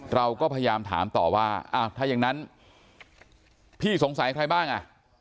เราก็พยายามถามต่อว่าอ้าวถ้าอย่างนั้นพี่สงสัยใครบ้างอ่ะ